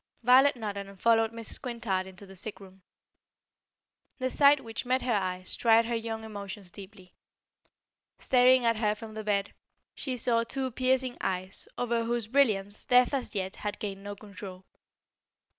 Violet nodded and followed Mrs. Quintard into the sick room. The sight which met her eyes tried her young emotions deeply. Staring at her from the bed, she saw two piercing eyes over whose brilliance death as yet had gained no control.